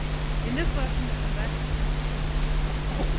In this version the combat system was changed.